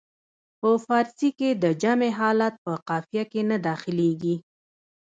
په فارسي کې د جمع حالت په قافیه کې نه داخلیږي.